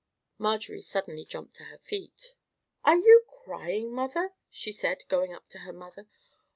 Marjorie suddenly jumped to her feet. "Are you crying, mother?" she said, going up to her mother.